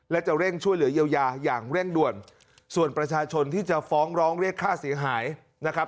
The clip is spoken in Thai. และจะเร่งช่วยเหลือเยียวยาอย่างเร่งด่วนส่วนประชาชนที่จะฟ้องร้องเรียกค่าเสียหายนะครับ